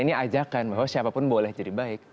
ini ajakan bahwa siapapun boleh jadi baik